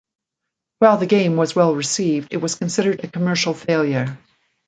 While the game was well received, it was considered a commercial failure.